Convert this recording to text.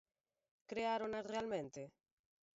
¿Creárona realmente?